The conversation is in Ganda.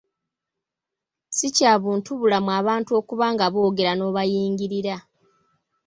Si kya buntubulamu abantu okuba nga boogera n’obayingirira.